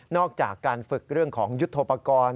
อกจากการฝึกเรื่องของยุทธโปรกรณ์